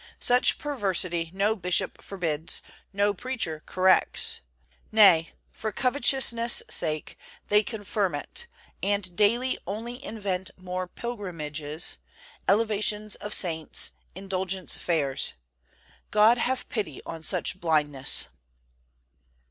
Such perversity no bishop forbids, no preacher corrects; nay, for covetousness' sake they confirm it and daily only invent more pilgrimages, elevations of saints, indulgence fairs. God have pity on such blindness.